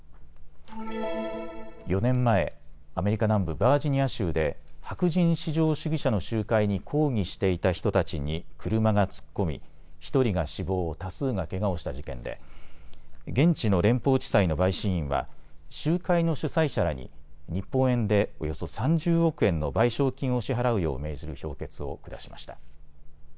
４年前、アメリカ南部バージニア州で白人至上主義者の集会に抗議していた人たちに車が突っ込み１人が死亡、多数がけがをした事件で現地の連邦地裁の陪審員は集会の主催者らに日本円でおよそ３０億円の賠償金を支払うよう命じる評決を下しました。